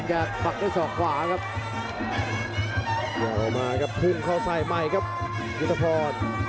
ตากด้วยขวาครับมด๗๘